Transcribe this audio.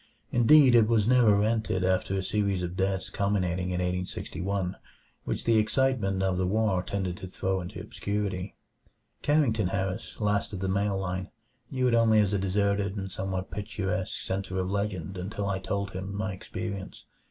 Indeed, it never was rented after a series of deaths culminating in 1861, which the excitement of the war tended to throw into obscurity. Carrington Harris, last of the male line, knew it only as a deserted and somewhat picturesque center of legend until I told him my experience.